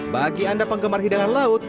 bagi anda penggemar hidangan laut